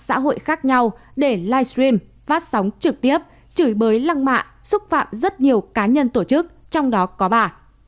xã hội khác nhau để live stream phát sóng trực tiếp chửi bới lăng mạ xúc phạm rất nhiều cá nhân tổ chức trong đó có bà